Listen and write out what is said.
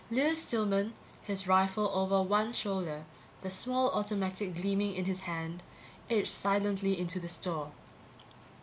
Lewis Stillman, his rifle over one shoulder, the small automatic gleaming in his hand, edged silently into the store.